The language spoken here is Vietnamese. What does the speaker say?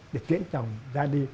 để tiễn chồng ra đi